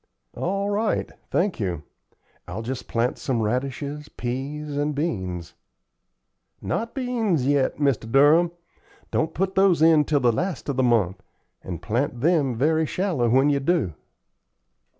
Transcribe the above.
"All right. Thank you. I'll just plant some radishes, peas, and beans." "Not beans yet, Mr. Durham. Don't put those in till the last of the month, and plant them very shallow when you do."